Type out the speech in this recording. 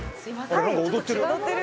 何か踊ってる。